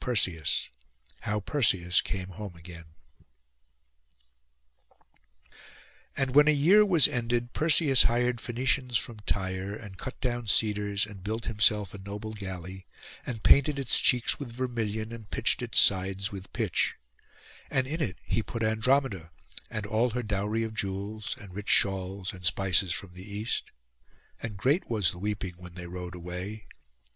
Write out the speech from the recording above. PART V HOW PERSEUS CAME HOME AGAIN And when a year was ended Perseus hired Phoenicians from Tyre, and cut down cedars, and built himself a noble galley; and painted its cheeks with vermilion, and pitched its sides with pitch; and in it he put Andromeda, and all her dowry of jewels, and rich shawls, and spices from the East; and great was the weeping when they rowed away.